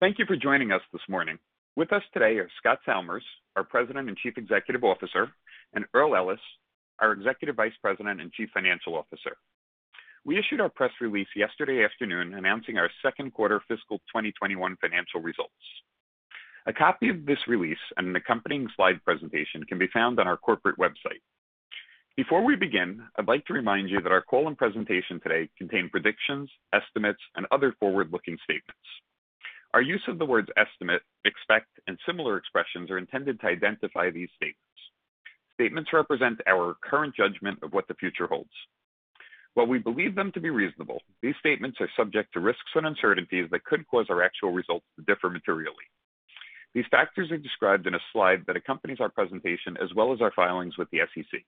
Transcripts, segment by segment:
Thank you for joining us this morning. With us today are Scott Salmirs, our President and Chief Executive Officer, and Earl Ellis, our Executive Vice President and Chief Financial Officer. We issued our press release yesterday afternoon announcing our second quarter fiscal 2021 financial results. A copy of this release and accompanying slide presentation can be found on our corporate website. Before we begin, I'd like to remind you that our call and presentation today contain predictions, estimates, and other forward-looking statements. Our use of the words "estimate," "expect," and similar expressions are intended to identify these statements. Statements represent our current judgment of what the future holds. While we believe them to be reasonable, these statements are subject to risks and uncertainties that could cause our actual results to differ materially. These factors are described in a slide that accompanies our presentation as well as our filings with the SEC.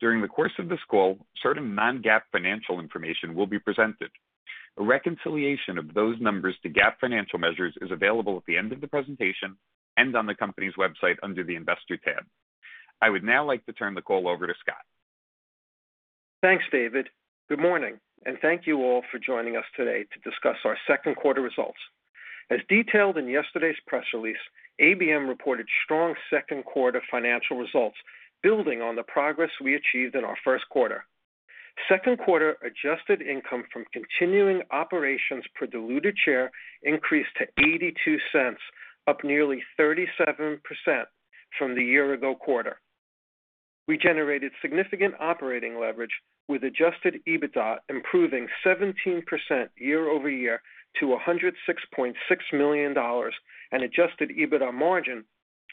During the course of this call, certain non-GAAP financial information will be presented. A reconciliation of those numbers to GAAP financial measures is available at the end of the presentation and on the company's website under the Investor tab. I would now like to turn the call over to Scott. Thanks, David. Good morning. Thank you all for joining us today to discuss our second quarter results. As detailed in yesterday's press release, ABM reported strong second quarter financial results, building on the progress we achieved in our first quarter. Second quarter adjusted income from continuing operations per diluted share increased to $0.82, up nearly 37% from the year-ago quarter. We generated significant operating leverage, with adjusted EBITDA improving 17% year-over-year to $106.6 million, and adjusted EBITDA margin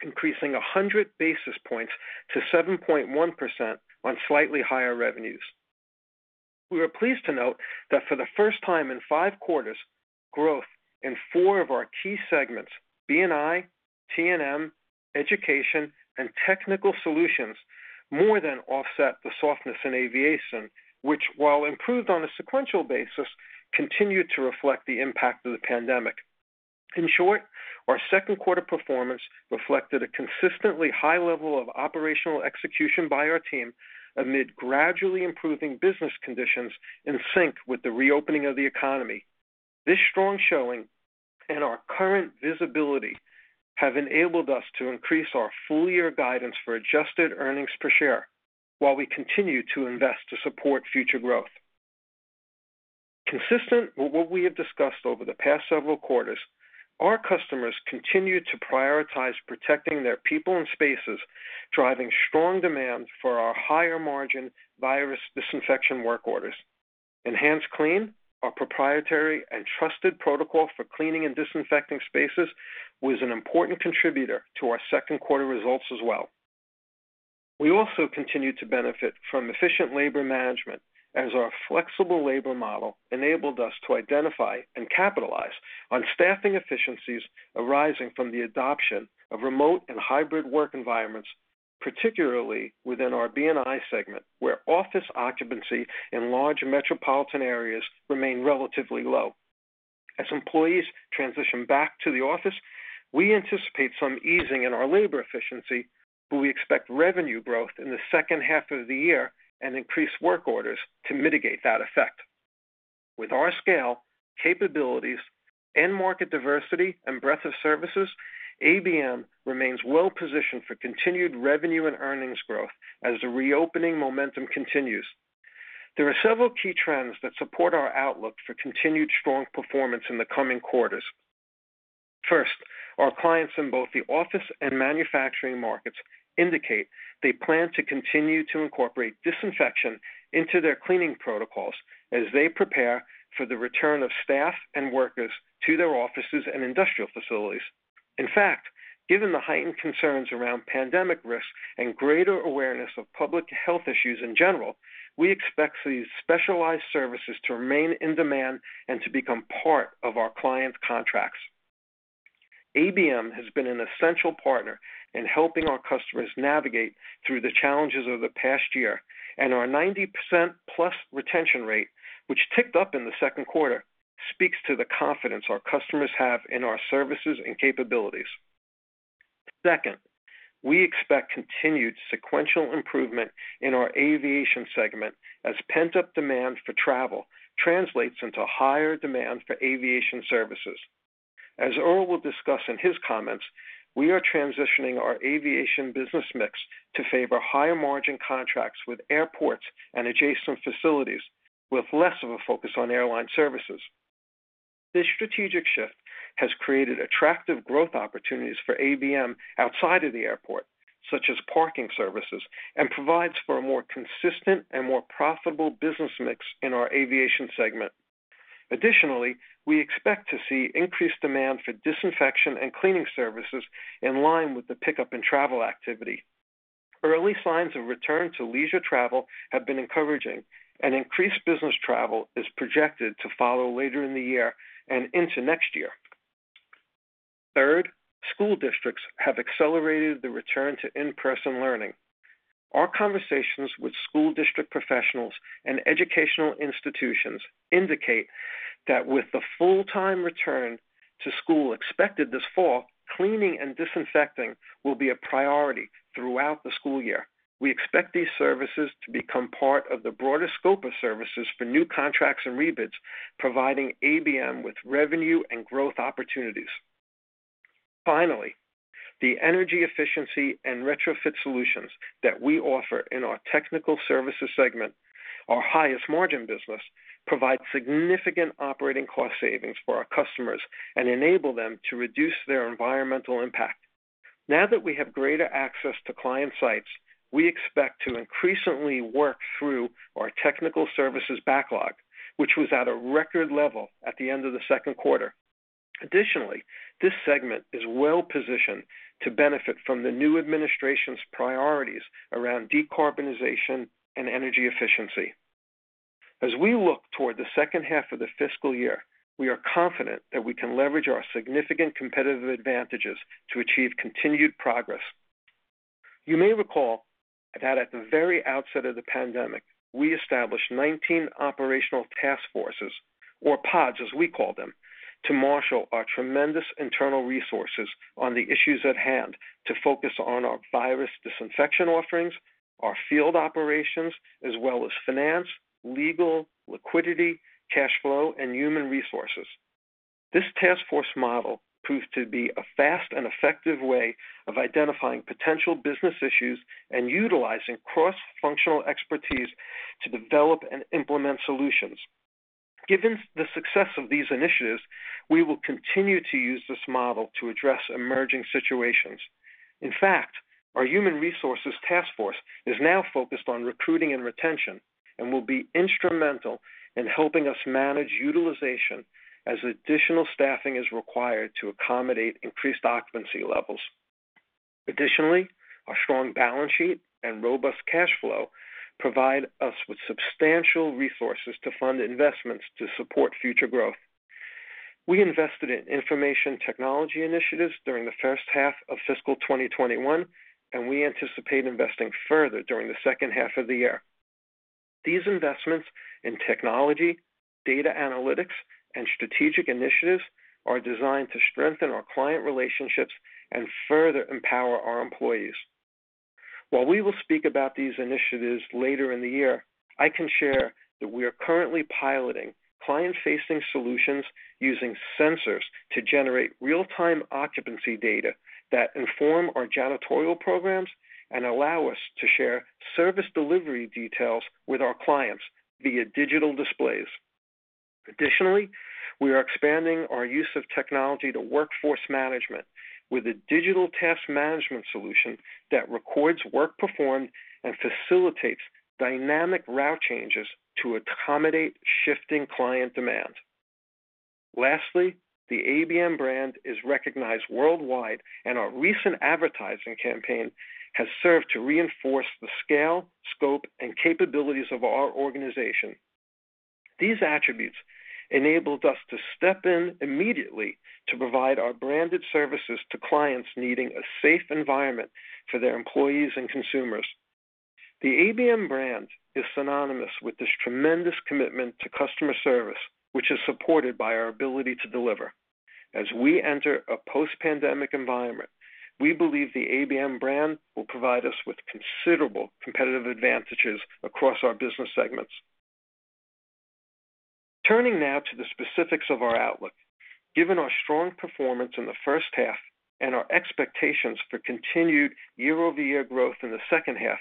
increasing 100 basis points to 7.1% on slightly higher revenues. We are pleased to note that for the first time in five quarters, growth in four of our key segments, B&I, T&M, Education, and Technical Solutions, more than offset the softness in Aviation, which while improved on a sequential-basis, continued to reflect the impact of the pandemic. In short, our second quarter performance reflected a consistently high level of operational execution by our team amid gradually improving business conditions in sync with the reopening of the economy. This strong showing and our current visibility have enabled us to increase our full-year guidance for adjusted earnings per share, while we continue to invest to support future growth. Consistent with what we have discussed over the past several quarters, our customers continue to prioritize protecting their people and spaces, driving strong demand for our higher-margin virus disinfection work orders. EnhancedClean, our proprietary and trusted protocol for cleaning and disinfecting spaces, was an important contributor to our second quarter results as well. We also continue to benefit from efficient labor management, as our flexible labor model enabled us to identify and capitalize on staffing efficiencies arising from the adoption of remote and hybrid work environments, particularly within our B&I segment, where office occupancy in large metropolitan areas remain relatively low. As employees transition back to the office, we anticipate some easing in our labor efficiency, but we expect revenue growth in the second half of the year and increased work orders to mitigate that effect. With our scale, capabilities, end market diversity, and breadth of services, ABM remains well positioned for continued revenue and earnings growth as the reopening momentum continues. There are several key trends that support our outlook for continued strong performance in the coming quarters. First, our clients in both the office and manufacturing markets indicate they plan to continue to incorporate disinfection into their cleaning protocols as they prepare for the return of staff and workers to their offices and industrial facilities. In fact, given the heightened concerns around pandemic risks and greater awareness of public health issues in general, we expect these specialized services to remain in demand and to become part of our clients' contracts. ABM has been an essential partner in helping our customers navigate through the challenges of the past year, and our 90%+ retention rate, which ticked up in the second quarter, speaks to the confidence our customers have in our services and capabilities. Second, we expect continued sequential improvement in our Aviation segment as pent-up demand for travel translates into higher demand for Aviation services. As Earl will discuss in his comments, we are transitioning our Aviation business mix to favor higher-margin contracts with airports and adjacent facilities, with less of a focus on airline services. This strategic shift has created attractive growth opportunities for ABM outside of the airport, such as parking services, and provides for a more consistent and more profitable business mix in our Aviation segment. Additionally, we expect to see increased demand for disinfection and cleaning services in line with the pickup in travel activity. Early signs of return to leisure travel have been encouraging, and increased business travel is projected to follow later in the year and into next year. Third, school districts have accelerated the return to in-person learning. Our conversations with school district professionals and educational institutions indicate that with the full-time return to school expected this fall, cleaning and disinfecting will be a priority throughout the school year. We expect these services to become part of the broader scope of services for new contracts and rebids, providing ABM with revenue and growth opportunities. Finally, the energy efficiency and retrofit solutions that we offer in our Technical Solutions segment, our highest margin business, provide significant operating cost savings for our customers and enable them to reduce their environmental impact. Now that we have greater access to client sites, we expect to increasingly work through our Technical Solutions backlog, which was at a record level at the end of the second quarter. Additionally, this segment is well-positioned to benefit from the new administration's priorities around decarbonization and energy efficiency. As we look toward the second half of the fiscal year, we are confident that we can leverage our significant competitive advantages to achieve continued progress. You may recall that at the very outset of the pandemic, we established 19 operational task forces, or pods as we call them, to marshal our tremendous internal resources on the issues at hand to focus on our virus disinfection offerings, our field operations, as well as finance, legal, liquidity, cash flow, and human resources. This task force model proved to be a fast and effective way of identifying potential business issues and utilizing cross-functional expertise to develop and implement solutions. Given the success of these initiatives, we will continue to use this model to address emerging situations. In fact, our human resources task force is now focused on recruiting and retention and will be instrumental in helping us manage utilization as additional staffing is required to accommodate increased occupancy levels. Additionally, our strong balance sheet and robust cash flow provide us with substantial resources to fund investments to support future growth. We invested in information technology initiatives during the first half of fiscal 2021, and we anticipate investing further during the second half of the year. These investments in technology, data analytics, and strategic initiatives are designed to strengthen our client relationships and further empower our employees. While we will speak about these initiatives later in the year, I can share that we are currently piloting client-facing solutions using sensors to generate real-time occupancy data that inform our janitorial programs and allow us to share service delivery details with our clients via digital displays. Additionally, we are expanding our use of technology to workforce management with a digital task management solution that records work performed and facilitates dynamic route changes to accommodate shifting client demand. Lastly, the ABM brand is recognized worldwide, and our recent advertising campaign has served to reinforce the scale, scope, and capabilities of our organization. These attributes enabled us to step in immediately to provide our branded services to clients needing a safe environment for their employees and consumers. The ABM brand is synonymous with this tremendous commitment to customer service, which is supported by our ability to deliver. As we enter a post-pandemic environment, we believe the ABM brand will provide us with considerable competitive advantages across our business segments. Turning now to the specifics of our outlook. Given our strong performance in the first half and our expectations for continued year-over-year growth in the second half,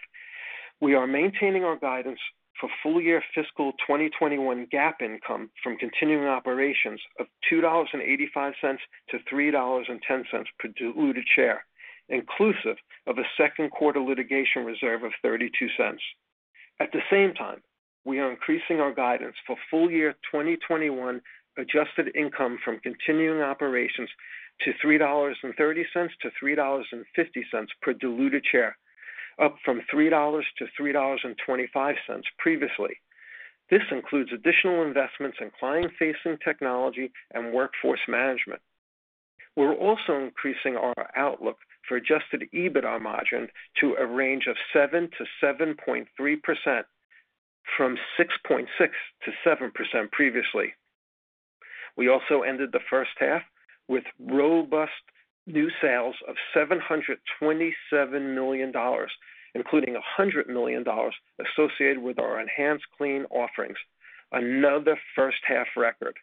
we are maintaining our guidance for full-year fiscal 2021 GAAP income from continuing operations of $2.85-$3.10 per diluted share, inclusive of a second quarter litigation reserve of $0.32. At the same time, we are increasing our guidance for full-year 2021 adjusted income from continuing operations to $3.30 to $3.50 per diluted share, up from $3-$3.25 previously. This includes additional investments in client-facing technology and workforce management. We're also increasing our outlook for adjusted EBITDA margin to a range of 7%-7.3% from 6.6%-7% previously. We also ended the first half with robust new sales of $727 million, including $100 million associated with our EnhancedClean offerings, another first-half record.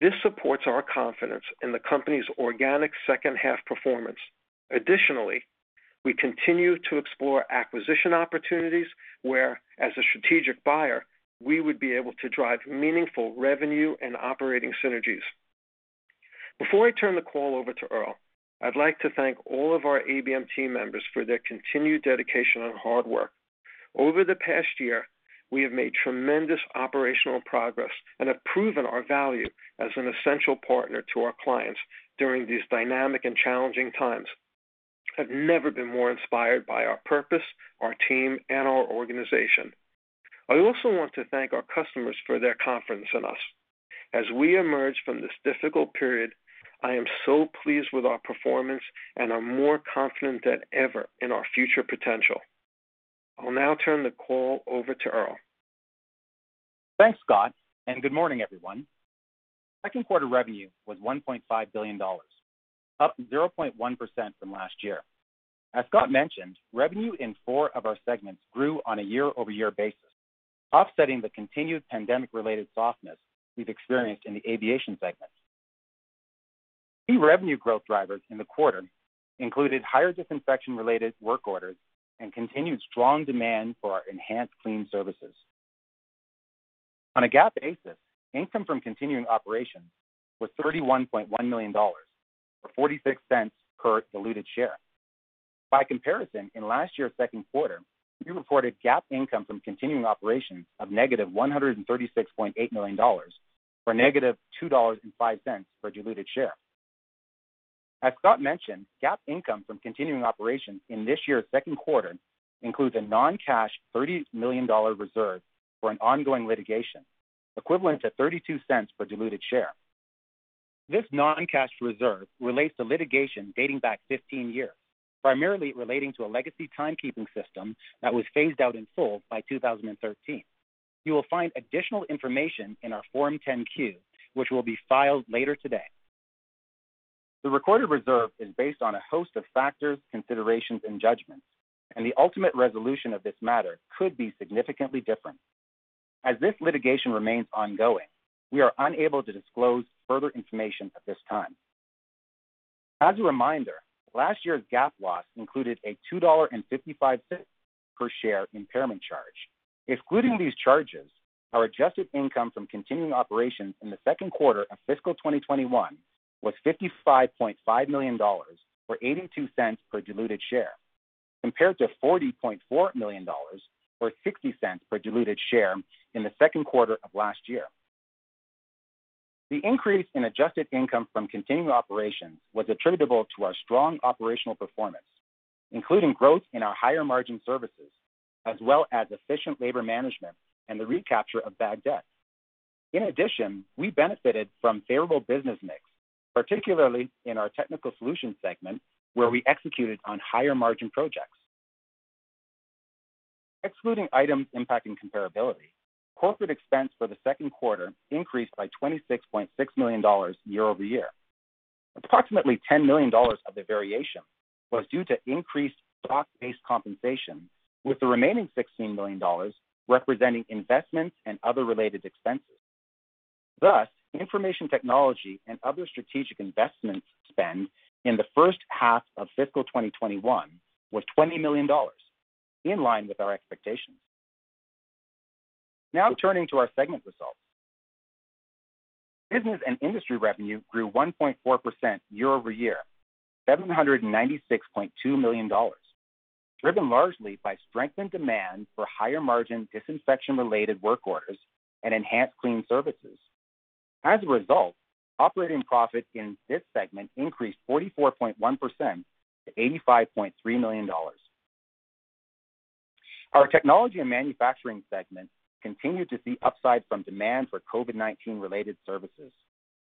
This supports our confidence in the company's organic second half performance. Additionally, we continue to explore acquisition opportunities where, as a strategic buyer, we would be able to drive meaningful revenue and operating synergies. Before I turn the call over to Earl, I'd like to thank all of our ABM team members for their continued dedication and hard work. Over the past year, we have made tremendous operational progress and have proven our value as an essential partner to our clients during these dynamic and challenging times. I've never been more inspired by our purpose, our team, and our organization. I also want to thank our customers for their confidence in us. As we emerge from this difficult period, I am so pleased with our performance and am more confident than ever in our future potential. I'll now turn the call over to Earl. Thanks, Scott. Good morning, everyone. Second quarter revenue was $1.5 billion, up 0.1% from last year. As Scott mentioned, revenue in four of our segments grew on a year-over-year basis, offsetting the continued pandemic-related softness we've experienced in the Aviation segment. Key revenue growth drivers in the quarter included higher disinfection-related work orders and continued strong demand for our EnhancedClean services. On a GAAP basis, income from continuing operations was $31.1 million, or $0.46 per diluted share. By comparison, in last year's second quarter, we reported GAAP income from continuing operations of negative $136.8 million, or negative $2.05 per diluted share. As Scott mentioned, GAAP income from continuing operations in this year's second quarter includes a non-cash $30 million reserve for an ongoing litigation, equivalent to $0.32 per diluted share. This non-cash reserve relates to litigation dating back 15 years, primarily relating to a legacy timekeeping system that was phased out in full by 2013. You will find additional information in our Form 10-Q, which will be filed later today. The recorded reserve is based on a host of factors, considerations, and judgments, and the ultimate resolution of this matter could be significantly different. As this litigation remains ongoing, we are unable to disclose further information at this time. As a reminder, last year's GAAP loss included a $2.55 per share impairment charge. Excluding these charges, our adjusted income from continuing operations in the second quarter of fiscal 2021 was $55.5 million, or $0.82 per diluted share, compared to $40.4 million, or $0.60 per diluted share in the second quarter of last year. The increase in adjusted income from continuing operations was attributable to our strong operational performance, including growth in our higher-margin services, as well as efficient labor management and the recapture of bad debt. In addition, we benefited from favorable business mix, particularly in our Technical Solutions segment, where we executed on higher-margin projects. Excluding items impacting comparability, corporate expense for the second quarter increased by $26.6 million year-over-year. Approximately $10 million of the variation was due to increased stock-based compensations, with the remaining $16 million representing investments and other related expenses. Information technology and other strategic investment spend in the first half of fiscal 2021 was $20 million, in line with our expectations. Now turning to our segment results. Business & Industry revenue grew 1.4% year-over-year to $796.2 million, driven largely by strengthened demand for higher-margin disinfection-related work orders and EnhancedClean services. As a result, operating profit in this segment increased 44.1% to $85.3 million. Our Technology & Manufacturing segment continued to see upside from demand for COVID-19-related services.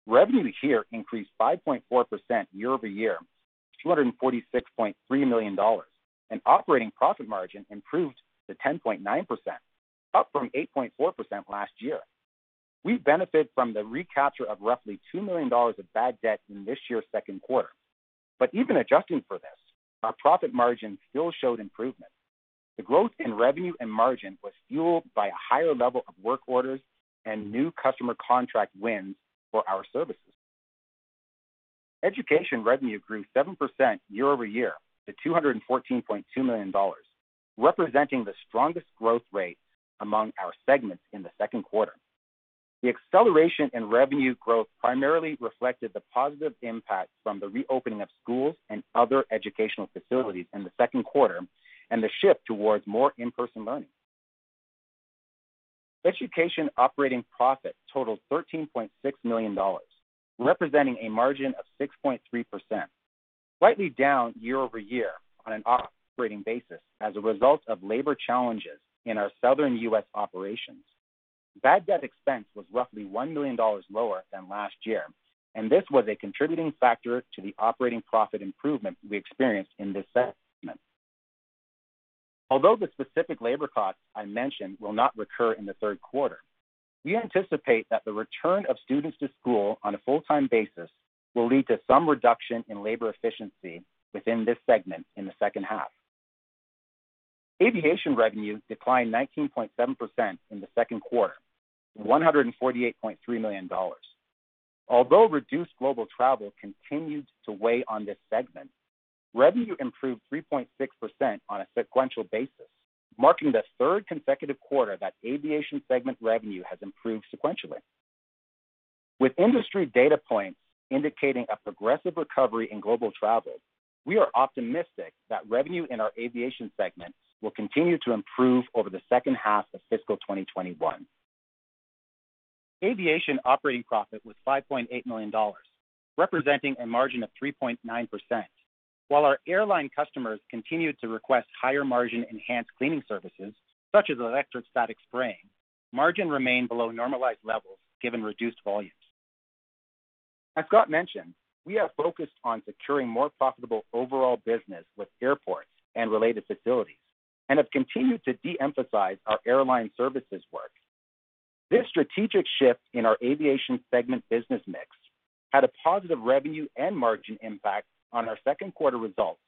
Revenue here increased 5.4% year-over-year to $246.3 million, and operating profit margin improved to 10.9%, up from 8.4% last year. Even adjusting for this, our profit margin still showed improvement. The growth in revenue and margin was fueled by a higher level of work orders and new customer contract wins for our services. Education revenue grew 7% year-over-year to $214.2 million, representing the strongest growth rate among our segments in the second quarter. The acceleration in revenue growth primarily reflected the positive impact from the reopening of schools and other educational facilities in the second quarter and the shift towards more in-person learning. Education operating profit totaled $13.6 million, representing a margin of 6.3%, slightly down year-over-year on an operating basis as a result of labor challenges in our Southern U.S. operations. Bad debt expense was roughly $1 million lower than last year, and this was a contributing factor to the operating profit improvement we experienced in this segment. Although the specific labor costs I mentioned will not recur in the third quarter, we anticipate that the return of students to school on a full-time basis will lead to some reduction in labor efficiency within this segment in the second half. Aviation revenue declined 19.7% in the second quarter to $148.3 million. Although reduced global travel continues to weigh on this segment, revenue improved 3.6% on a sequential basis, marking the third consecutive quarter that Aviation segment revenue has improved sequentially. With industry data points indicating a progressive recovery in global travel, we are optimistic that revenue in our Aviation segment will continue to improve over the second half of fiscal 2021. Aviation operating profit was $5.8 million, representing a margin of 3.9%. While our airline customers continued to request higher-margin enhanced cleaning services, such as electrostatic spraying, margin remained below normalized levels given reduced volumes. As Scott mentioned, we are focused on securing more profitable overall business with airports and related facilities and have continued to de-emphasize our airline services work. This strategic shift in our Aviation segment business mix had a positive revenue and margin impact on our second quarter results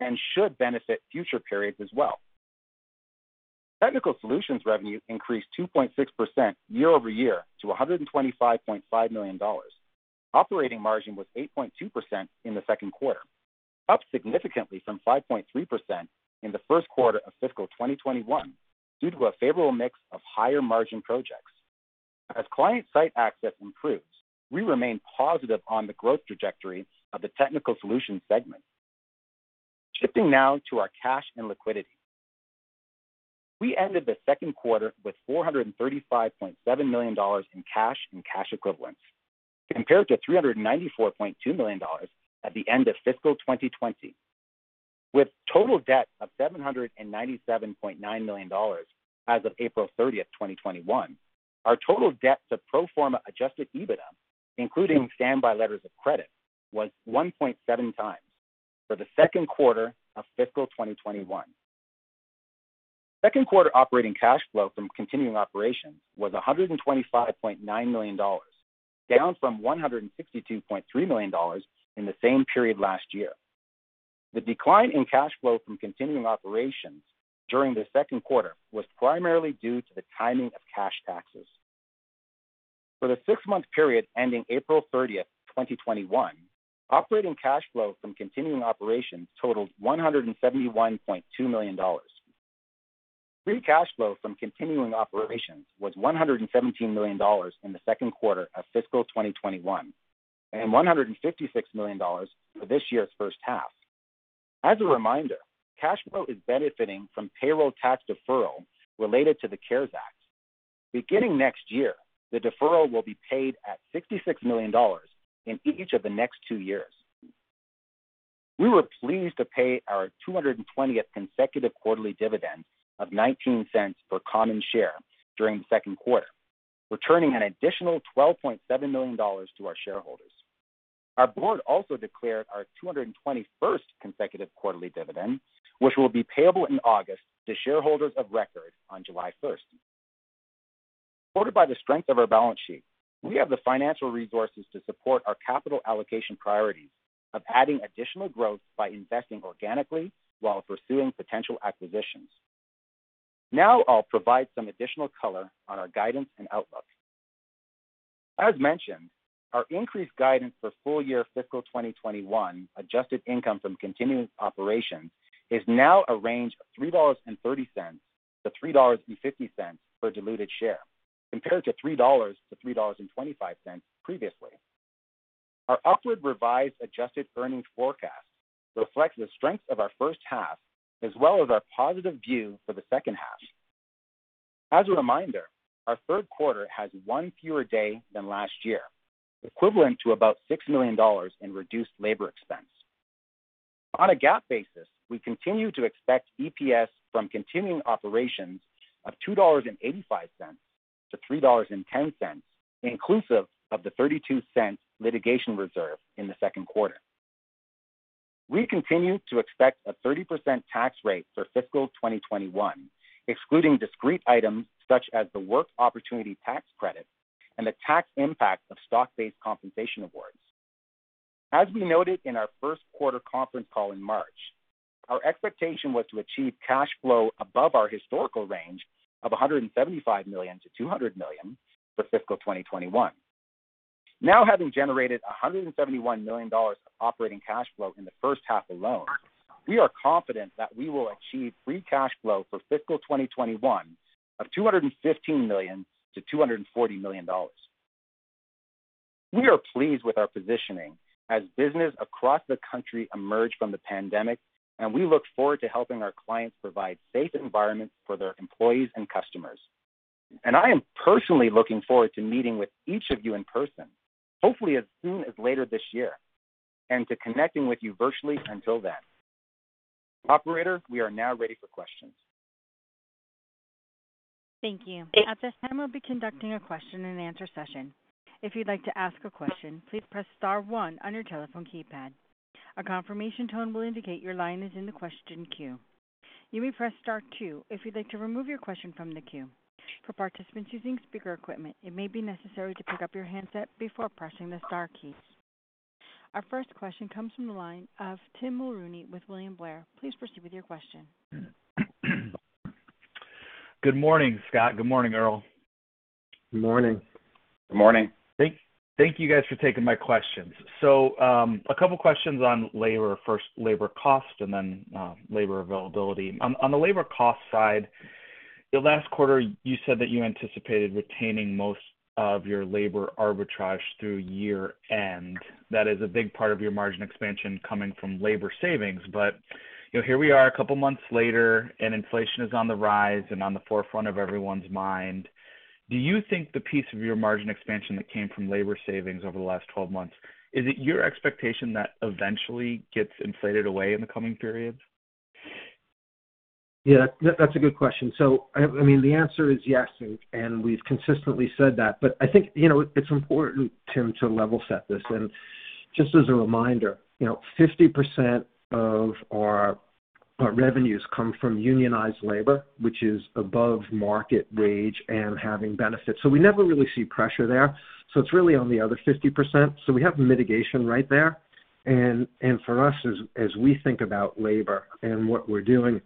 and should benefit future periods as well. Technical Solutions revenue increased 2.6% year-over-year to $125.5 million. Operating margin was 8.2% in the second quarter, up significantly from 5.3% in the first quarter of fiscal 2021 due to a favorable mix of higher margin projects. As client site access improves, we remain positive on the growth trajectory of the Technical Solutions segment. Shifting now to our cash and liquidity. We ended the second quarter with $435.7 million in cash and cash equivalents compared to $394.2 million at the end of fiscal 2020. With total debt of $797.9 million as of April 30th, 2021, our total debt to pro forma adjusted EBITDA, including standby letters of credit, was 1.7 times for the second quarter of fiscal 2021. Second quarter operating cash flow from continuing operations was $125.9 million, down from $162.3 million in the same period last year. The decline in cash flow from continuing operations during the second quarter was primarily due to the timing of cash taxes. For the six-month period ending April 30th, 2021, operating cash flow from continuing operations totaled $171.2 million. Free cash flow from continuing operations was $117 million in the second quarter of fiscal 2021, and $156 million for this year's first half. As a reminder, cash flow is benefiting from payroll tax deferral related to the CARES Act. Beginning next year, the deferral will be paid at $66 million in each of the next two years. We were pleased to pay our 220th consecutive quarterly dividend of $0.19 per common share during the second quarter, returning an additional $12.7 million to our shareholders. Our board also declared our 221st consecutive quarterly dividend, which will be payable in August to shareholders of record on July 1st. Supported by the strength of our balance sheet, we have the financial resources to support our capital allocation priorities of adding additional growth by investing organically while pursuing potential acquisitions. Now I'll provide some additional color on our guidance and outlook. As mentioned, our increased guidance for full year fiscal 2021 adjusted income from continuing operations is now a range of $3.30-$3.50 per diluted share, compared to $3-$3.25 previously. Our upward revised adjusted earnings forecast reflects the strength of our first half, as well as our positive view for the second half. As a reminder, our third quarter has one fewer day than last year, equivalent to about $6 million in reduced labor expense. On a GAAP basis, we continue to expect EPS from continuing operations of $2.85-$3.10, inclusive of the $0.32 litigation reserve in the second quarter. We continue to expect a 30% tax rate for fiscal 2021, excluding discrete items such as the Work Opportunity Tax Credit and the tax impact of stock-based compensation awards. As we noted in our first quarter conference call in March, our expectation was to achieve cash flow above our historical range of $175 million-$200 million for fiscal 2021. Now having generated $171 million of operating cash flow in the first half alone, we are confident that we will achieve free cash flow for fiscal 2021 of $215 million-$240 million. We are pleased with our positioning as business across the country emerge from the pandemic, and we look forward to helping our clients provide safe environments for their employees and customers. I am personally looking forward to meeting with each of you in person, hopefully as soon as later this year, and to connecting with you virtually until then. Operator, we are now ready for questions. Thank you. At this time, we'll be conducting a question and answer session. If you'd like to ask a question, please press star one on your telephone keypad. A confirmation tone will indicate your line is in the question queue. You may press star two if you'd like to remove your question from the queue. For participants using speaker equipment, it may be necessary to pick up your handset before pressing the star key. Our first question comes from the line of Tim Mulrooney with William Blair. Please proceed with your question. Good morning, Scott. Good morning, Earl. Good morning. Good morning. Thank you guys for taking my questions. A couple questions on labor. First labor cost, and then labor availability. On the labor cost side, last quarter, you said that you anticipated retaining most of your labor arbitrage through year end. That is a big part of your margin expansion coming from labor savings. Here we are two months later and inflation is on the rise and on the forefront of everyone's mind. Do you think the piece of your margin expansion that came from labor savings over the last 12 months, is it your expectation that eventually gets inflated away in the coming periods? Yeah, that's a good question. The answer is yes, and we've consistently said that. I think it's important, Tim, to level set this. Just as a reminder, 50% of our revenues come from unionized labor, which is above market wage and having benefits. We never really see pressure there. It's really on the other 50%. We have mitigation right there. For us, as we think about labor and what we're doing,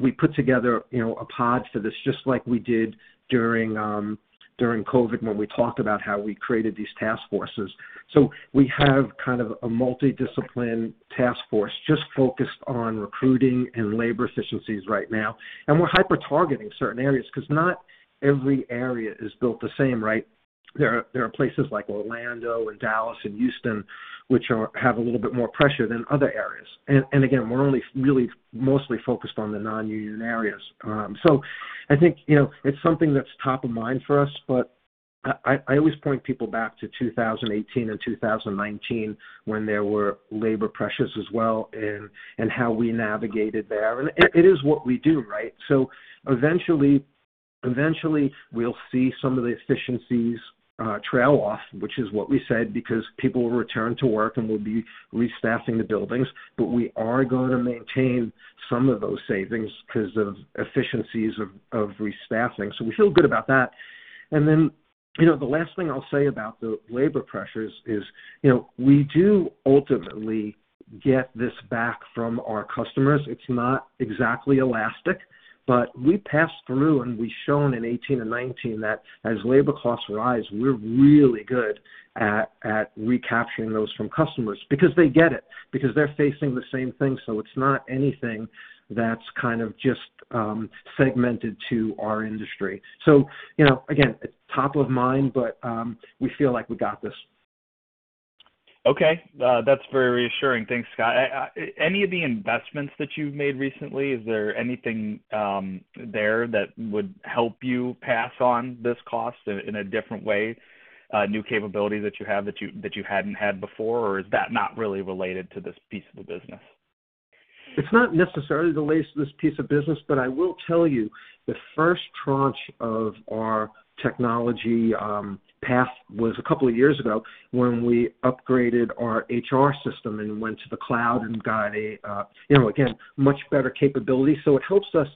we put together a pod for this, just like we did during COVID-19, when we talked about how we created these task forces. We have kind of a multi-discipline task force just focused on recruiting and labor efficiencies right now. We're hyper-targeting certain areas because not every area is built the same, right? There are places like Orlando and Dallas and Houston, which have a little bit more pressure than other areas. Again, we're only really mostly focused on the non-union areas. I think it's something that's top of mind for us, but I always point people back to 2018 and 2019 when there were labor pressures as well and how we navigated there. It is what we do, right? Eventually, we'll see some of the efficiencies trail off, which is what we said, because people will return to work and we'll be restaffing the buildings. We are going to maintain some of those savings because of efficiencies of restaffing. We feel good about that. The last thing I'll say about the labor pressures is we do ultimately get this back from our customers. It's not exactly elastic, but we pass through and we've shown in 2018 and 2019 that as labor costs rise, we're really good at recapturing those from customers because they get it, because they're facing the same thing. It's not anything that's kind of just segmented to our industry. Again, it's top of mind, but we feel like we got this. Okay. That's very reassuring. Thanks, Scott. Any of the investments that you've made recently, is there anything there that would help you pass on this cost in a different way, a new capability that you have that you hadn't had before? Is that not really related to this piece of the business? It's not necessarily related to this piece of business. I will tell you the first tranche of our technology path was a couple of years ago when we upgraded our HR system and went to the cloud and got, again, much better capability. It helps us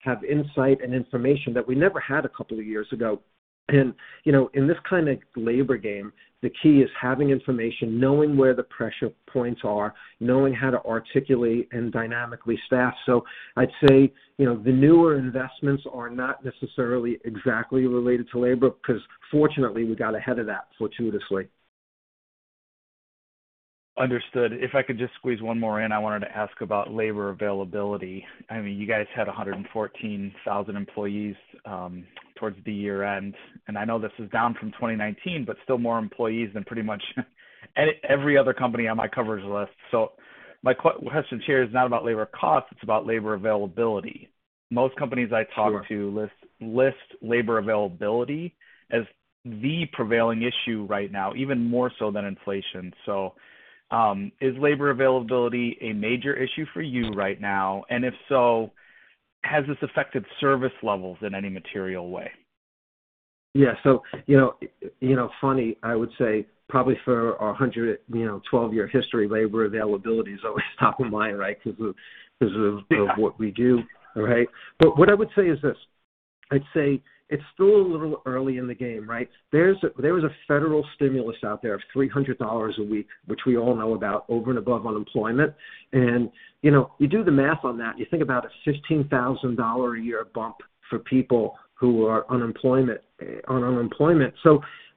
have insight and information that we never had a couple of years ago. In this kind of labor game, the key is having information, knowing where the pressure points are, knowing how to articulate and dynamically staff. I'd say the newer investments are not necessarily exactly related to labor because fortunately, we got ahead of that fortuitously. Understood. If I could just squeeze one more in, I wanted to ask about labor availability. You guys had 114,000 employees towards the year-end, and I know this is down from 2019, but still more employees than pretty much every other company on my coverage list. My question here is not about labor cost, it's about labor availability. Most companies I talk to list labor availability as the prevailing issue right now, even more so than inflation. Is labor availability a major issue for you right now? If so, has this affected service levels in any material way? Yeah. Funny, I would say probably for 112-year history, labor availability is always top of mind, right? Because of what we do, right? What I would say is this, I'd say it's still a little early in the game, right? There is a federal stimulus out there of $300 a week, which we all know about over and above unemployment. You do the math on that, you think about a $15,000 a year bump for people who are on unemployment.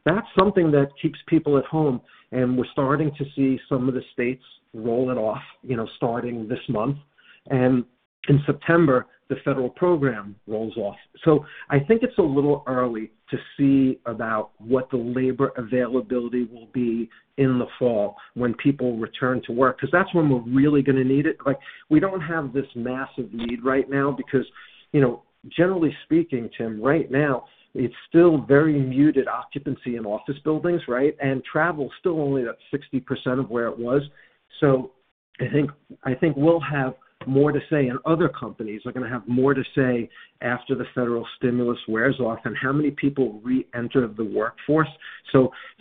That's something that keeps people at home. We're starting to see some of the states roll it off starting this month. In September, the federal program rolls off. I think it's a little early to see about what the labor availability will be in the fall when people return to work, because that's when we're really going to need it. We don't have this massive need right now because generally speaking, Tim, right now it's still very muted occupancy in office buildings, right? Travel is still only at 60% of where it was. I think we'll have more to say, and other companies are going to have more to say after the federal stimulus wears off and how many people reenter the workforce.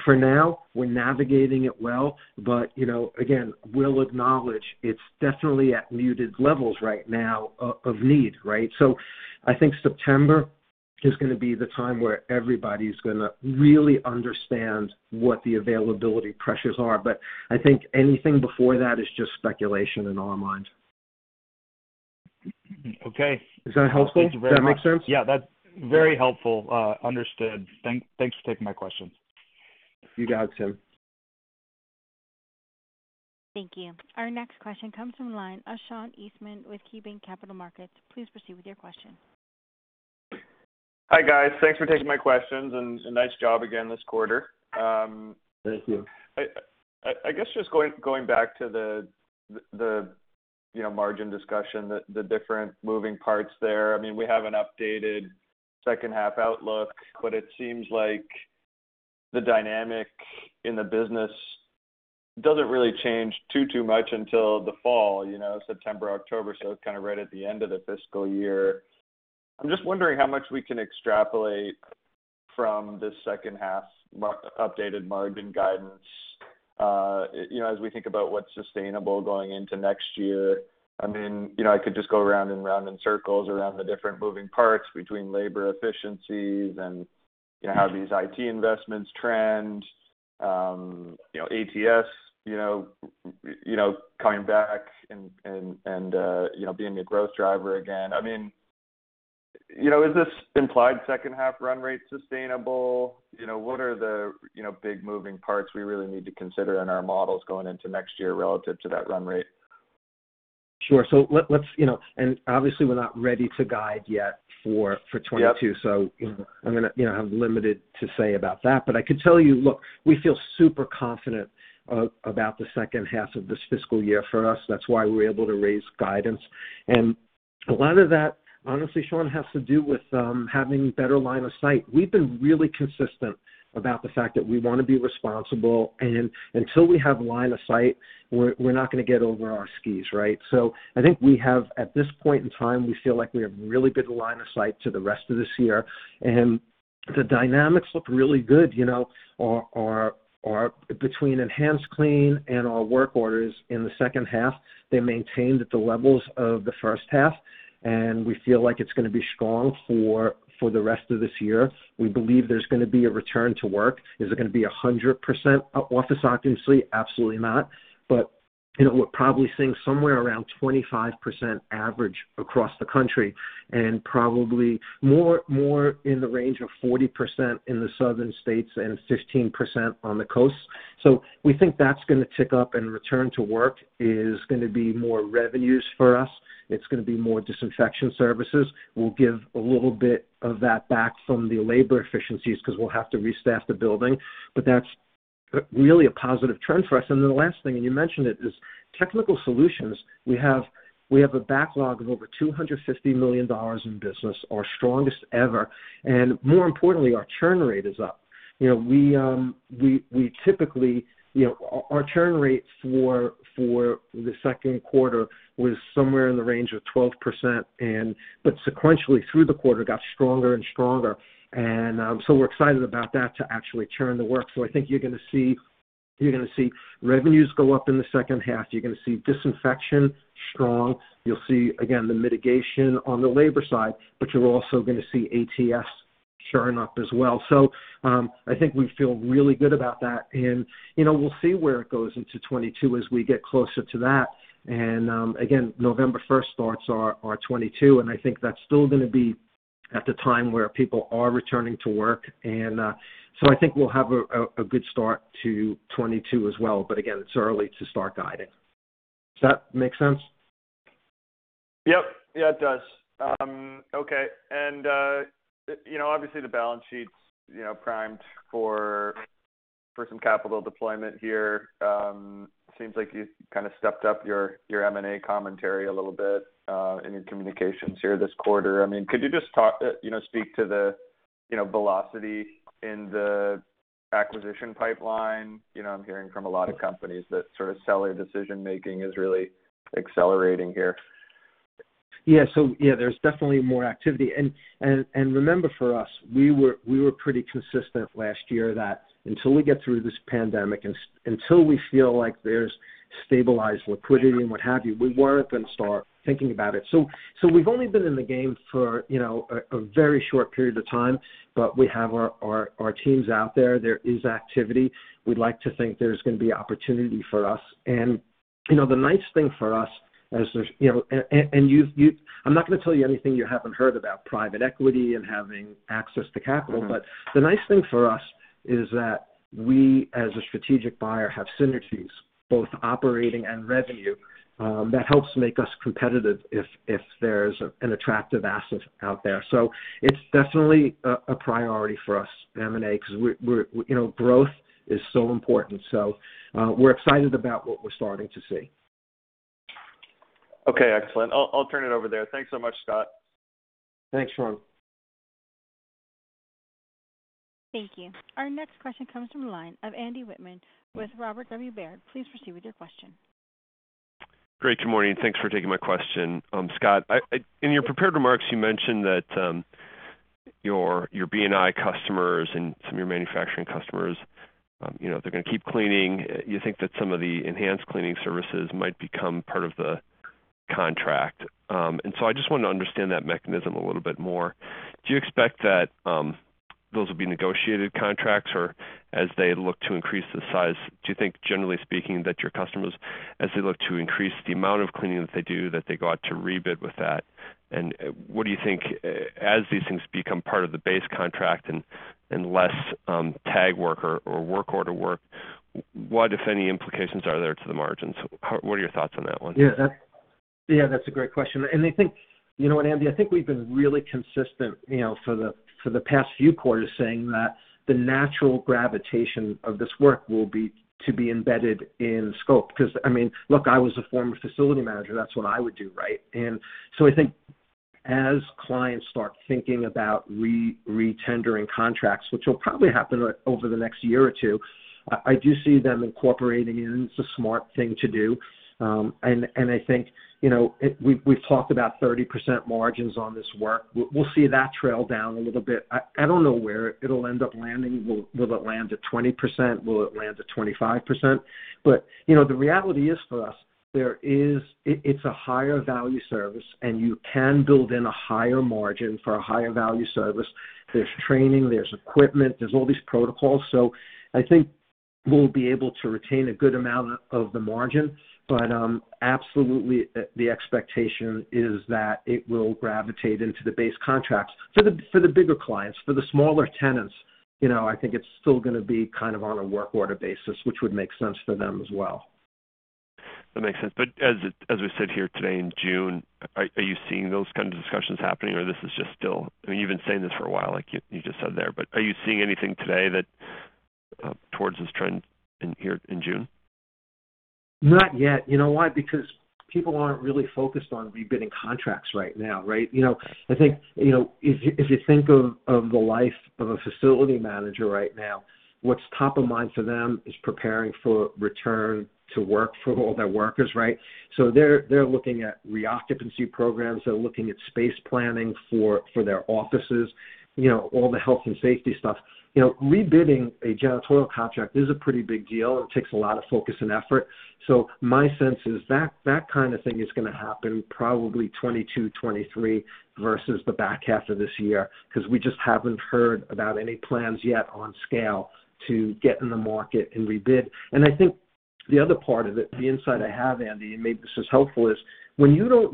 For now, we're navigating it well. Again, we'll acknowledge it's definitely at muted levels right now of need, right? I think September is going to be the time where everybody's going to really understand what the availability pressures are. I think anything before that is just speculation in our minds. Okay. Is that helpful, Tim? Yeah. That's very helpful. Understood. Thanks for taking my question. You got it, Tim. Thank you. Our next question comes from the line of Sean Eastman with KeyBanc Capital Markets. Please proceed with your question. Hi, guys. Thanks for taking my questions and nice job again this quarter. Thank you. I guess just going back to the margin discussion, the different moving parts there. We have an updated second half outlook, but it seems like the dynamic in the business doesn't really change too much until the fall, September, October. It's kind of right at the end of the fiscal year. I'm just wondering how much we can extrapolate from the second half updated margin guidance, as we think about what's sustainable going into next year, I could just go around and around in circles around the different moving parts between labor efficiencies and how these IT investments trend. ATS coming back and being a growth driver again. Is this implied second half run rate sustainable? What are the big moving parts we really need to consider in our models going into next year relative to that run rate? Sure. Obviously we're not ready to guide yet for 2022. Yep. I have limited to say about that. I can tell you, look, we feel super confident about the second half of this fiscal year for us. That's why we're able to raise guidance. A lot of that, honestly, Sean, has to do with having better line of sight. We've been really consistent about the fact that we want to be responsible, and until we have line of sight, we're not going to get over our skis, right? I think we have, at this point in time, we feel like we have really good line of sight to the rest of this year, and the dynamics look really good. Between EnhancedClean and our work orders in the second half, they maintained at the levels of the first half, and we feel like it's going to be strong for the rest of this year. We believe there's going to be a return to work. Is it going to be 100% office occupancy? Absolutely not. We're probably seeing somewhere around 25% average across the country, and probably more in the range of 40% in the southern states and 15% on the coast. We think that's going to tick up and return to work is going to be more revenues for us. It's going to be more disinfection services. We'll give a little bit of that back from the labor efficiencies because we'll have to restaff the building, but that's really a positive trend for us. The last thing, and you mentioned it, is Technical Solutions. We have a backlog of over $250 million in business, our strongest ever, and more importantly, our churn rate is up. Our churn rate for the second quarter was somewhere in the range of 12%. Sequentially through the quarter got stronger and stronger. We're excited about that to actually churn the work. I think you're going to see revenues go up in the second half. You're going to see disinfection strong. You'll see, again, the mitigation on the labor side. You're also going to see ATS churning up as well. I think we feel really good about that. We'll see where it goes into 2022 as we get closer to that. November 1st starts our 2022. I think that's still going to be at the time where people are returning to work. I think we'll have a good start to 2022 as well. It's early to start guiding. Does that make sense? Yep. Yeah, it does. Okay. Obviously the balance sheet's primed for some capital deployment here. Seems like you've kind of stepped up your M&A commentary a little bit in your communications here this quarter. Could you just speak to the velocity in the acquisition pipeline? I'm hearing from a lot of companies that sort of selling decision making is really accelerating here. There's definitely more activity. Remember for us, we were pretty consistent last year that until we get through this pandemic, until we feel like there's stabilized liquidity and what have you, we weren't going to start thinking about it. We've only been in the game for a very short period of time, but we have our teams out there. There is activity. We'd like to think there's going to be opportunity for us. The nice thing for us, I'm not going to tell you anything you haven't heard about private equity and having access to capital. The nice thing for us is that we, as a strategic buyer, have synergies, both operating and revenue. That helps make us competitive if there's an attractive asset out there. It's definitely a priority for us in M&A because growth is so important. We're excited about what we're starting to see. Okay, excellent. I'll turn it over there. Thanks so much, Scott. Thanks, Sean. Thank you. Our next question comes from the line of Andy Wittmann with Robert W. Baird. Please proceed with your question. Great, good morning. Thanks for taking my question. Scott, in your prepared remarks, you mentioned that your B&I customers and some of your manufacturing customers are going to keep cleaning. You think that some of the enhanced cleaning services might become part of the contract. I just want to understand that mechanism a little bit more. Do you expect that those will be negotiated contracts, or as they look to increase the size, do you think generally speaking, that your customers, as they look to increase the amount of cleaning that they do, that they go out to rebid with that? What do you think as these things become part of the base contract and less tag work or work order work, what, if any, implications are there to the margins? What are your thoughts on that one? Yeah, that's a great question. I think, Andy, I think we've been really consistent for the past few quarters saying that the natural gravitation of this work will be to be embedded in scope. Because, look, I was a former facility manager. That's what I would do, right? I think, as clients start thinking about re-tendering contracts, which will probably happen over the next year or two, I do see them incorporating it, and it's a smart thing to do. I think, we've talked about 30% margins on this work. We'll see that trail down a little bit. I don't know where it'll end up landing. Will it land at 20%? Will it land at 25%? The reality is for us, it's a higher value service, and you can build in a higher margin for a higher value service. There's training, there's equipment, there's all these protocols. I think we'll be able to retain a good amount of the margin. Absolutely, the expectation is that it will gravitate into the base contracts for the bigger clients. For the smaller tenants, I think it's still going to be on a work order basis, which would make sense for them as well. As I sit here today in June, are you seeing those kinds of discussions happening, or this is just, I mean, you've been saying this for a while, like you just said there. Are you seeing anything today that towards this trend here in June? Not yet. You know why? People aren't really focused on rebidding contracts right now, right? I think, if you think of the life of a facility manager right now, what's top of mind for them is preparing for return to work for all their workers, right? They're looking at reoccupancy programs. They're looking at space planning for their offices, all the health and safety stuff. Rebidding a janitorial contract is a pretty big deal. It takes a lot of focus and effort. My sense is that kind of thing is going to happen probably 2022, 2023 versus the back half of this year because we just haven't heard about any plans yet on scale to get in the market and rebid. I think the other part of it, the insight I have, Andy, and maybe this is helpful, is when you're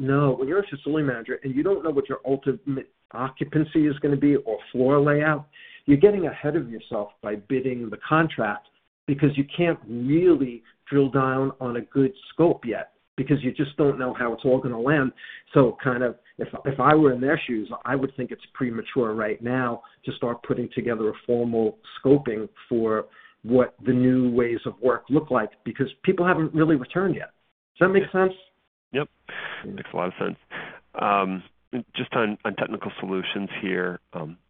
a facility manager, and you don't know what your ultimate occupancy is going to be or floor layout, you're getting ahead of yourself by bidding the contract because you can't really drill down on a good scope yet because you just don't know how it's all going to land. If I were in their shoes, I would think it's premature right now to start putting together a formal scoping for what the new ways of work look like because people haven't really returned yet. Does that make sense? Yep. Makes a lot of sense. Just on Technical Solutions here.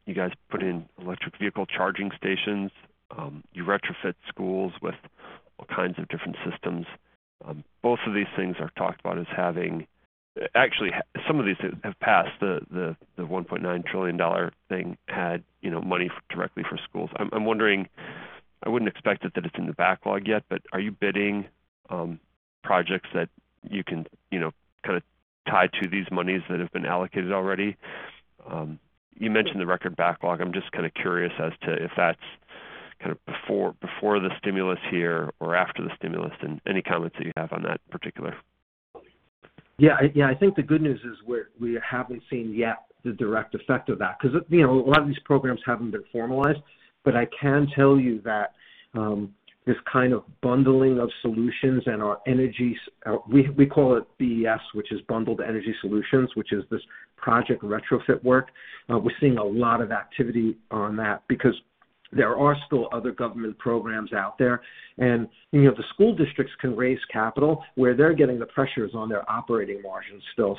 You guys put in electric vehicle charging stations. You retrofit schools with all kinds of different systems. Both of these things are talked about. Actually, some of these have passed the $1.9 trillion thing had money directly for schools. I'm wondering, I wouldn't expect that it's in the backlog yet, are you bidding projects that you can tie to these monies that have been allocated already? You mentioned the record backlog. I'm just curious as to if that's before the stimulus here or after the stimulus and any comments that you have on that particular. Yeah. I think the good news is we haven't seen yet the direct effect of that. A lot of these programs haven't been formalized. I can tell you that this kind of bundling of solutions and our energy, we call it BES, which is Bundled Energy Solutions, which is this project retrofit work. We're seeing a lot of activity on that because there are still other government programs out there. The school districts can raise capital where they're getting the pressures on their operating margins still.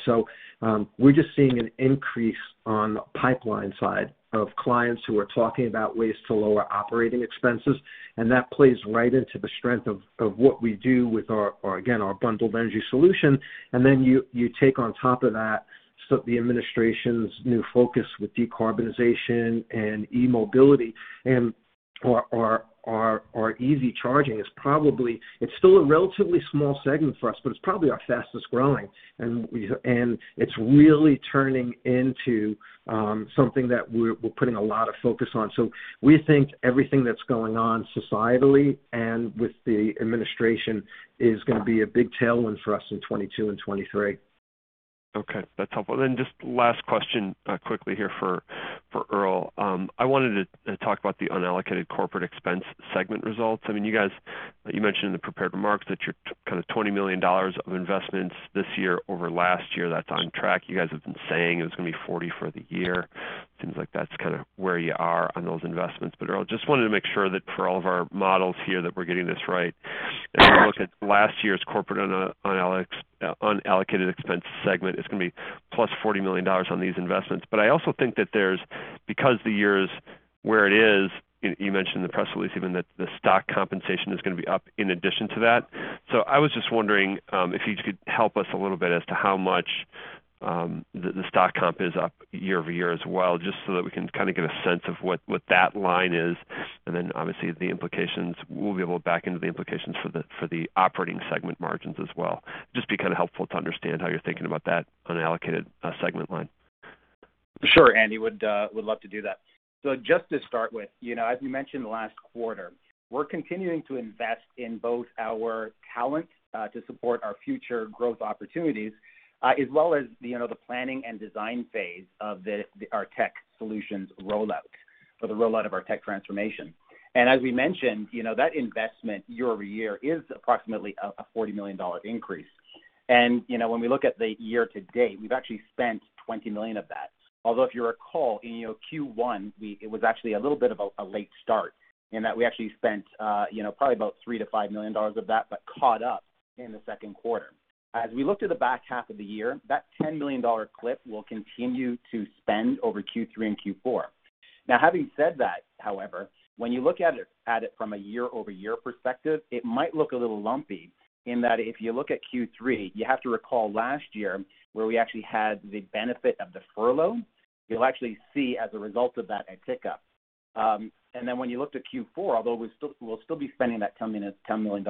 We're just seeing an increase on the pipeline side of clients who are talking about ways to lower operating expenses, and that plays right into the strength of what we do with, again, our Bundled Energy Solutions. You take on top of that the administration's new focus with decarbonization and e-mobility. Our EV charging is probably, it's still a relatively small segment for us, but it's probably our fastest-growing. It's really turning into something that we're putting a lot of focus on. We think everything that's going on societally and with the administration is going to be a big tailwind for us in 2022 and 2023. Okay. That's helpful. Just last question quickly here for Earl. I wanted to talk about the unallocated corporate expense segment results. I mean, you guys, you mentioned in the prepared remarks that your $20 million of investments this year over last year, that's on track. You guys have been saying it's going to be $40 million for the year. Seems like that's where you are on those investments. Earl, just wanted to make sure that for all of our models here that we're getting this right. As we look at last year's corporate unallocated expense segment, it's going to be +$40 million on these investments. I also think that there's, because the year is where it is, you mentioned in the press release even that the stock compensation is going to be up in addition to that. I was just wondering if you could help us a little bit as to how much the stock comp is up year-over-year as well, just so that we can kind of get a sense of what that line is. Obviously the implications, we'll be able to back into the implications for the operating segment margins as well. It would just be helpful to understand how you're thinking about that unallocated segment line. Sure, Andy, would love to do that. Just to start with, as we mentioned last quarter, we're continuing to invest in both our talent to support our future growth opportunities as well as the planning and design phase of our Technical Solutions rollout. The rollout of our tech transformation. As we mentioned, that investment year-over-year is approximately a $40 million increase. When we look at the year-to-date, we've actually spent $20 million of that Although if you recall, in Q1, it was actually a little bit of a late start in that we actually spent probably about $3 million-$5 million of that, but caught up in the second quarter. As we look to the back half of the year, that $10 million clip will continue to spend over Q3 and Q4. Having said that, however, when you look at it from a year-over-year perspective, it might look a little lumpy in that if you look at Q3, you have to recall last year where we actually had the benefit of the furlough. You'll actually see as a result of that a tick-up. When you look at Q4, although we'll still be spending that $10 million,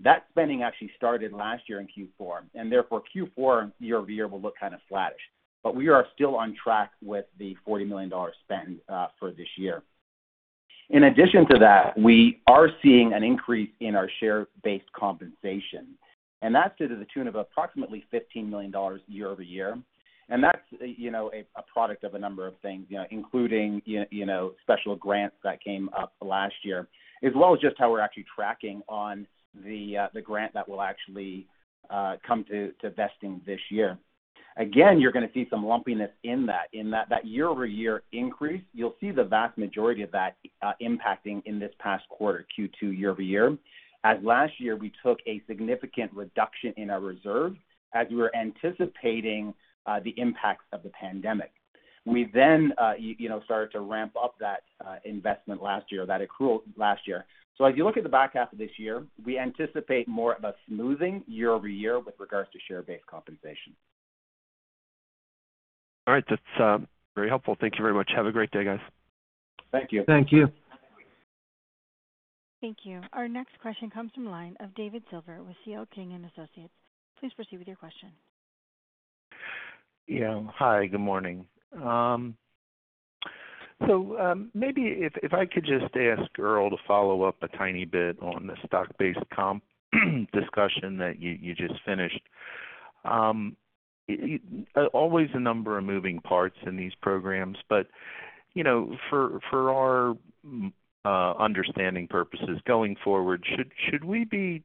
that spending actually started last year in Q4, and therefore Q4 year-over-year will look kind of flat-ish. We are still on track with the $40 million spend for this year. In addition to that, we are seeing an increase in our share-based compensation, that's to the tune of approximately $15 million year-over-year. That's a product of a number of things, including special grants that came up last year, as well as just how we're actually tracking on the grant that will actually come to vesting this year. Again, you're going to see some lumpiness in that in that that year-over-year increase, you'll see the vast majority of that impacting in this past quarter, Q2 year-over-year. Last year, we took a significant reduction in our reserves as we were anticipating the impacts of the pandemic. We then started to ramp up that investment last year, that accrual last year. As you look at the back half of this year, we anticipate more of a smoothing year-over-year with regards to share-based compensation. All right. That's very helpful. Thank you very much. Have a great day, guys. Thank you. Thank you. Thank you. Our next question comes from the line of David Silver with CL King & Associates. Please proceed with your question. Yeah. Hi, good morning. Maybe if I could just ask Earl to follow up a tiny bit on the stock-based comp discussion that you just finished. Always a number of moving parts in these programs, but for our understanding purposes going forward, should we be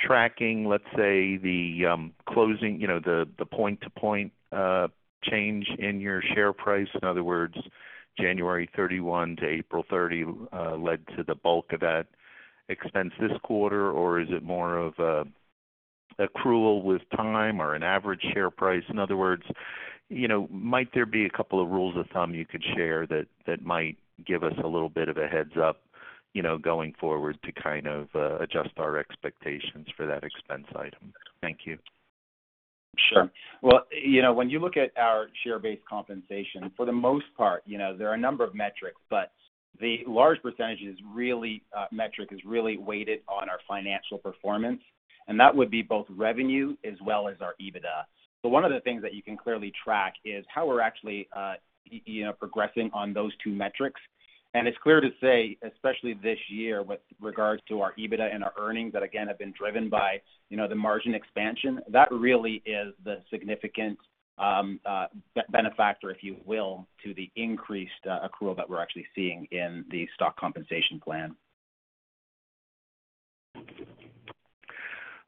tracking, let's say, the closing, the point-to-point change in your share price? In other words, January 31 to April 30 led to the bulk of that expense this quarter, or is it more of an accrual with time or an average share price? In other words, might there be a couple of rules of thumb you could share that might give us a little bit of a heads up going forward to kind of adjust our expectations for that expense item? Thank you. Sure. Well, when you look at our share-based compensation, for the most part, there are a number of metrics, but the large percentage metric is really weighted on our financial performance, and that would be both revenue as well as our EBITDA. One of the things that you can clearly track is how we're actually progressing on those two metrics. It's clear to say, especially this year with regards to our EBITDA and our earnings that, again, have been driven by the margin expansion, that really is the significant benefactor, if you will, to the increased accrual that we're actually seeing in the stock compensation plan.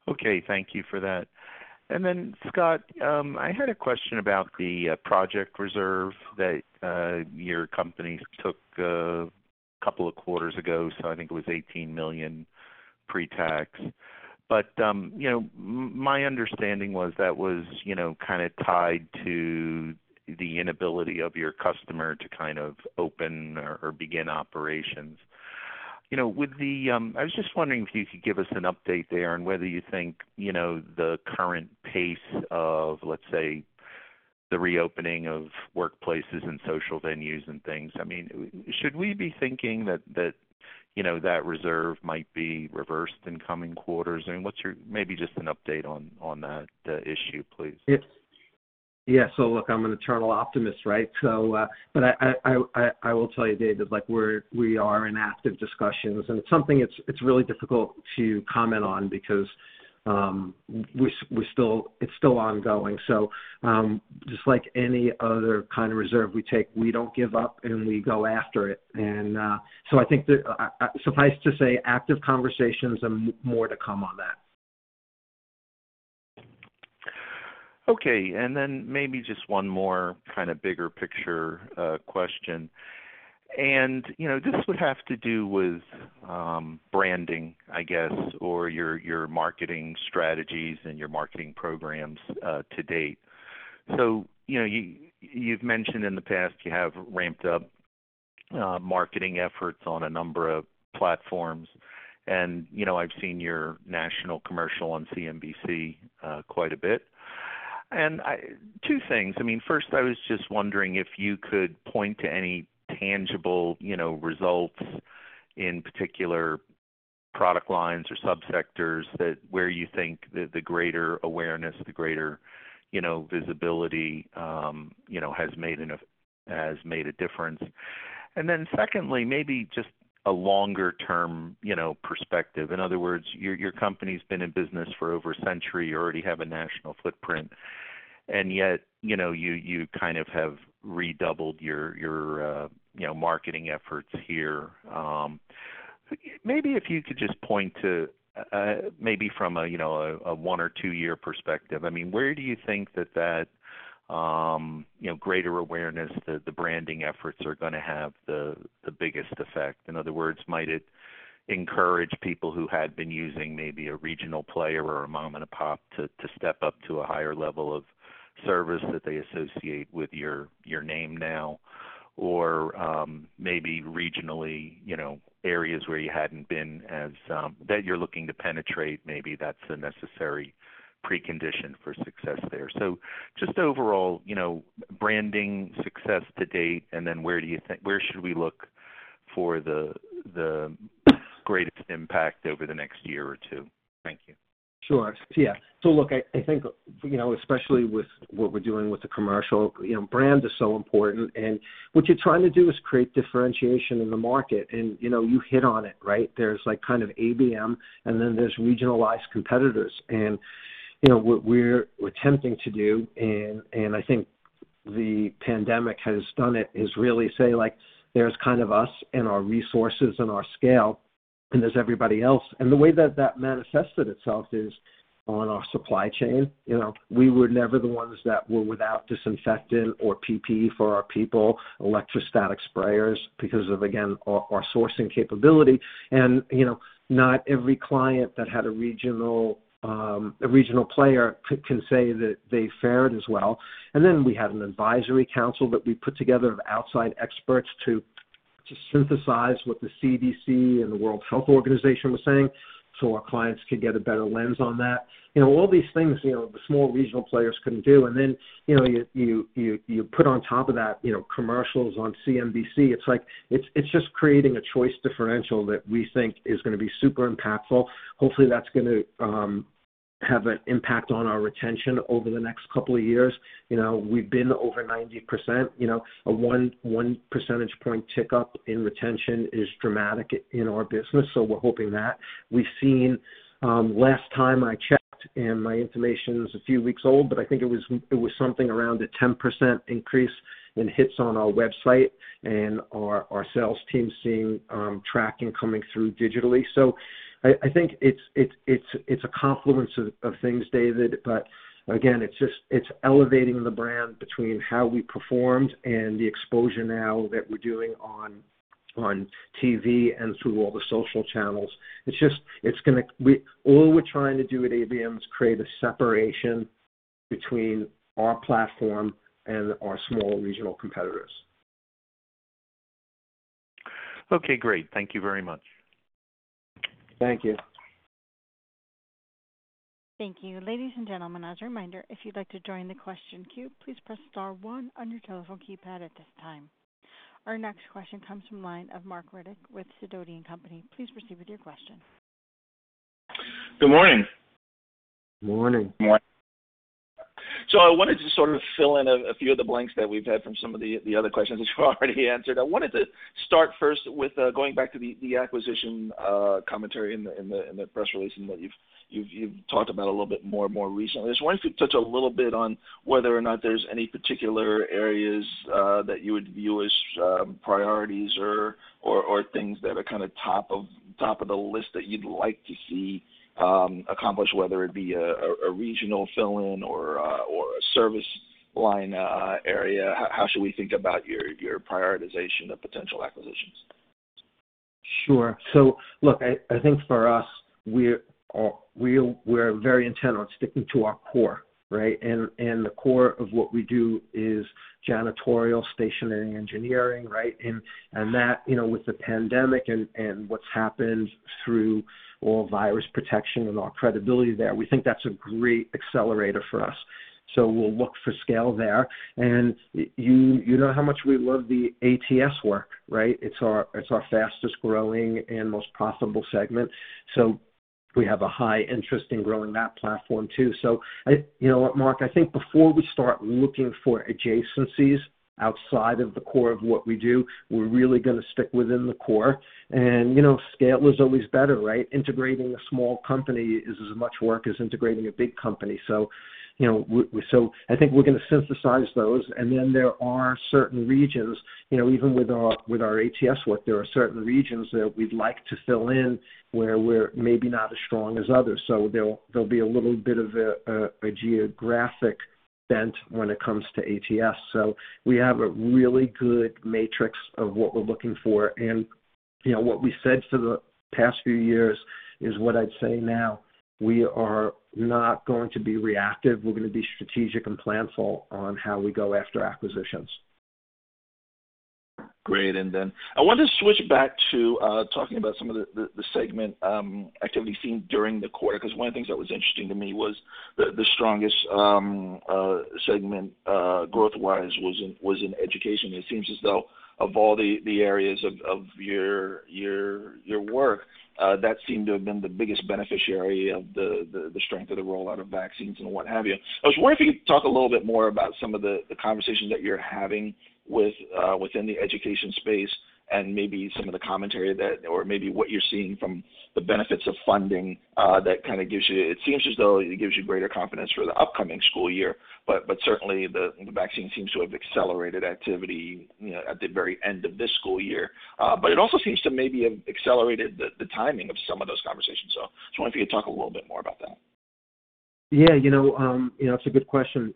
Okay. Thank you for that. Scott, I had a question about the project reserve that your company took a couple of quarters ago. I think it was $18 million pre-tax. My understanding was that was kind of tied to the inability of your customer to kind of open or begin operations. I was just wondering if you could give us an update there on whether you think the current pace of, let's say, the reopening of workplaces and social venues and things. Should we be thinking that reserve might be reversed in coming quarters? What's maybe just an update on that issue, please? Yeah. Look, I'm an eternal optimist, right? I will tell you, David, we are in active discussions, and it's something it's really difficult to comment on because it's still ongoing. Just like any other kind of reserve we take, we don't give up, and we go after it. I think that suffice to say, active conversations and more to come on that. Okay, then maybe just one more kind of bigger picture question. This would have to do with branding, I guess, or your marketing strategies and your marketing programs to date. You've mentioned in the past you have ramped up marketing efforts on a number of platforms, and I've seen your national commercial on CNBC quite a bit. Two things. First, I was just wondering if you could point to any tangible results in particular product lines or sub-sectors where you think the greater awareness, the greater visibility has made a difference. Then secondly, maybe just a longer-term perspective. In other words, your company's been in business for over a century. You already have a national footprint, and yet you kind of have redoubled your marketing efforts here. Maybe if you could just point to, maybe from a one or two-year perspective, where do you think that greater awareness, the branding efforts are going to have the biggest effect? In other words, might it encourage people who had been using maybe a regional player or a mom-and-pop to step up to a higher level of service that they associate with your name now, or maybe regionally, areas where you hadn't been that you're looking to penetrate, maybe that's a necessary precondition for success there. Just overall, branding success to date, and then where should we look for the greatest impact over the next year or two? Thank you. Sure. Yeah. Look, I think, especially with what we're doing with the commercial, brand is so important, and what you're trying to do is create differentiation in the market, and you hit on it, right? There's ABM, and then there's regionalized competitors. What we're attempting to do, and I think the pandemic has done it, is really say, like, there's us and our resources and our scale, and there's everybody else. The way that that manifested itself is on our supply chain. We were never the ones that were without disinfectant or PPE for our people, electrostatic sprayers, because of, again, our sourcing capability. Not every client that had a regional player can say that they fared as well. We had an advisory council that we put together of outside experts to synthesize what the CDC and the World Health Organization was saying, so our clients could get a better lens on that. All these things, the small regional players can do. You put on top of that, commercials on CNBC. It's just creating a choice differential that we think is going to be super impactful. Hopefully, that's going to have an impact on our retention over the next couple of years. We've been over 90%. A 1 percentage point tick up in retention is dramatic in our business, so we're hoping that. We've seen, last time I checked, and my information is a few weeks old, but I think it was something around a 10% increase in hits on our website, and our sales team seeing tracking coming through digitally. I think it's a confluence of things, David, but again, it's elevating the brand between how we performed and the exposure now that we're doing on TV and through all the social channels. All we're trying to do at ABM is create a separation between our platform and our small regional competitors. Okay, great. Thank you very much. Thank you. Thank you. Ladies and gentlemen, as a reminder, if you'd like to join the question queue, please press star one on your telephone keypad at this time. Our next question comes from the line of Marc Riddick with Sidoti & Company. Please proceed with your question. Good morning. Morning. I wanted to sort of fill in a few of the blanks that we've had from some of the other questions you've already answered. I wanted to start first with going back to the acquisition commentary in the press release that you've talked about a little bit more recently. I was wondering if you could touch a little bit on whether or not there's any particular areas that you would view as priorities or things that are top of the list that you'd like to see accomplished, whether it be a regional fill-in or a service line area. How should we think about your prioritization of potential acquisitions? Sure. Look, I think for us, we're very intent on sticking to our core, right? The core of what we do is janitorial stationary engineering, right? That, with the COVID-19 and what's happened through all virus protection and our credibility there, we think that's a great accelerator for us. We'll look for scale there. You know how much we love the ATS work, right? It's our fastest-growing and most profitable segment. We have a high interest in growing that platform, too. You know what, Marc? I think before we start looking for adjacencies outside of the core of what we do, we're really going to stick within the core. Scale is always better, right? Integrating a small company is as much work as integrating a big company. I think we're going to synthesize those, and then there are certain regions, even with our ATS work, there are certain regions that we'd like to fill in where we're maybe not as strong as others. There'll be a little bit of a geographic bent when it comes to ATS. We have a really good matrix of what we're looking for. What we said for the past few years is what I'd say now. We are not going to be reactive. We're going to be strategic and planful on how we go after acquisitions. Great. I want to switch back to talking about some of the segment activity seen during the quarter, because one of the things that was interesting to me was that the strongest segment growth-wise was in Education. It seems as though of all the areas of your work, that seemed to have been the biggest beneficiary of the strength of the rollout of vaccines and what have you. I was wondering if you could talk a little bit more about some of the conversations that you're having within the Education space and maybe some of the commentary that, or maybe what you're seeing from the benefits of funding that kind of gives you. It seems as though it gives you greater confidence for the upcoming school year. Certainly, the vaccine seems to have accelerated activity at the very end of this school year. It also seems to maybe have accelerated the timing of some of those conversations. I was wondering if you could talk a little bit more about that. It's a good question.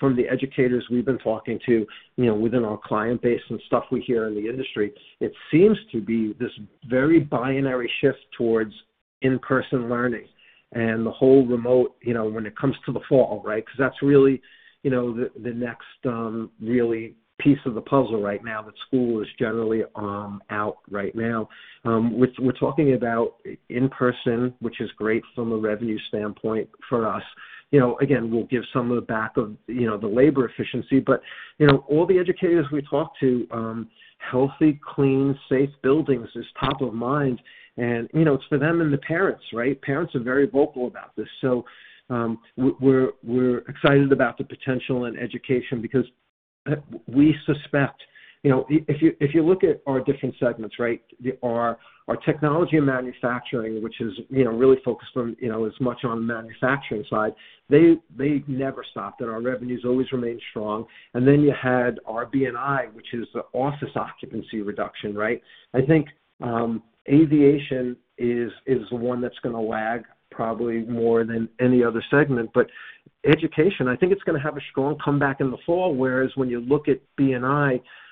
From the educators we've been talking to within our client base and stuff we hear in the industry, it seems to be this very binary shift towards in-person learning and the whole remote, when it comes to the fall, right? That's really the next really piece of the puzzle right now. The school is generally out right now. We're talking about in-person, which is great from a revenue standpoint for us. Again, we'll give some of it back of the labor efficiency. All the educators we talk to, healthy, clean, safe buildings is top of mind, and it's for them and the parents, right? Parents are very vocal about this. We're excited about the potential in education because we suspect, if you look at our different segments, right? Our Technology & Manufacturing, which is really focused on as much on the manufacturing side, they never stopped, our revenues always remained strong. Then you had our B&I, which is the office occupancy reduction, right? I think Aviation is the one that's going to lag probably more than any other segment. Education, I think it's going to have a strong comeback in the fall, whereas when you look at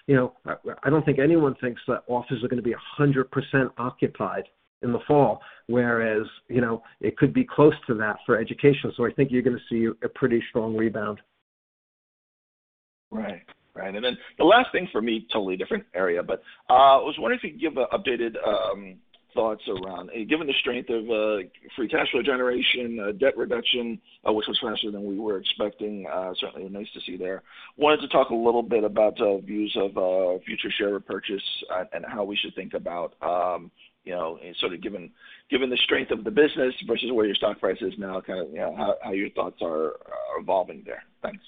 B&I don't think anyone thinks that offices are going to be 100% occupied in the fall, whereas it could be close to that for education. I think you're going to see a pretty strong rebound. Right. Then the last thing for me, totally different area, but I was wondering if you could give updated thoughts around, given the strength of free cash flow generation, debt reduction was faster than we were expecting. Certainly nice to see there. Wanted to talk a little bit about views of future share repurchase and how we should think about, sort of given the strength of the business versus where your stock price is now, how your thoughts are evolving there. Thanks.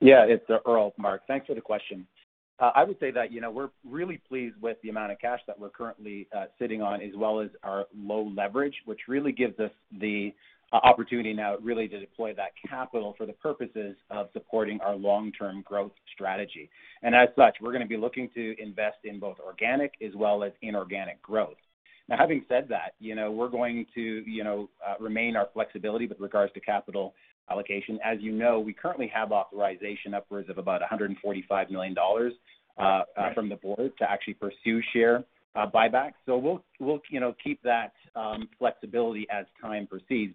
Yeah, it's Earl, Marc. Thanks for the question. I would say that we're really pleased with the amount of cash that we're currently sitting on, as well as our low leverage, which really gives us the opportunity now really to deploy that capital for the purposes of supporting our long-term growth strategy. As such, we're going to be looking to invest in both organic as well as inorganic growth. Having said that, we're going to remain our flexibility with regards to capital allocation. As you know, we currently have authorization upwards of about $145 million from the board to actually pursue share buyback. We'll keep that flexibility as time proceeds.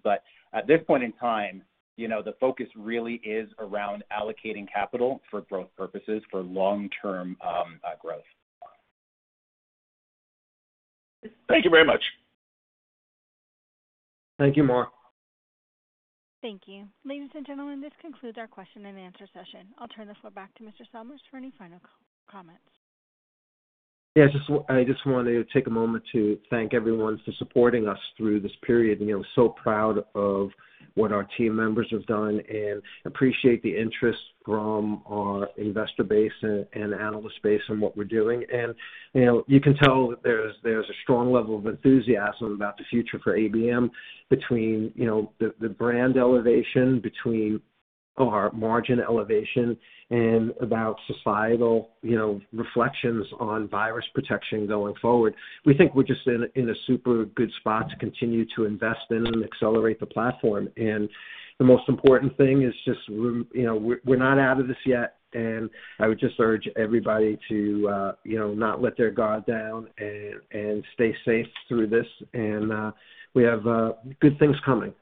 At this point in time, the focus really is around allocating capital for growth purposes, for long-term growth. Thank you very much. Thank you, Marc. Thank you. Ladies and gentlemen, this concludes our question and answer session. I'll turn the floor back to Mr. Salmirs for any final comments. Yeah, I just wanted to take a moment to thank everyone for supporting us through this period. I'm so proud of what our team members have done and appreciate the interest from our investor base and analyst base in what we're doing. You can tell that there's a strong level of enthusiasm about the future for ABM between the brand elevation, between our margin elevation, and about societal reflections on virus protection going forward. We think we're just in a super good spot to continue to invest in and accelerate the platform. The most important thing is just we're not out of this yet, and I would just urge everybody to not let their guard down and stay safe through this. We have good things coming.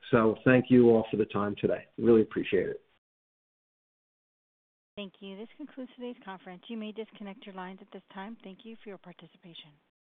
Thank you all for the time today. Really appreciate it. Thank you. This concludes today's conference. You may disconnect your lines at this time. Thank you for your participation.